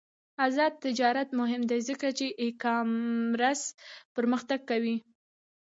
آزاد تجارت مهم دی ځکه چې ای کامرس پرمختګ کوي.